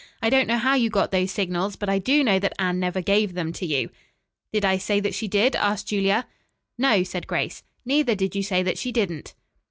I don't know how you got those signals, but I do know that Anne never gave them to you." "Did I say that she did?" asked Julia. "No," said Grace, "neither did you say that she didn't."